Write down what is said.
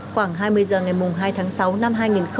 khoảng hai mươi giờ ngày hai tháng sáu năm hai nghìn hai mươi hai